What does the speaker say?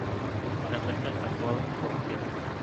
ھەقىقىي ئەھۋال: قۇرۇق گەپ.